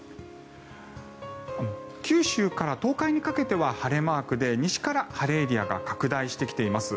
九州から東海にかけては晴れマークで西から晴れエリアが拡大してきています。